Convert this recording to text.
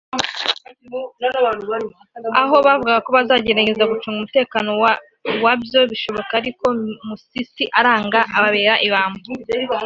aho bavuga ko bazagerageza gucunga umutekano wa byo bishoboka ariko Musisi aranga ababera ibamba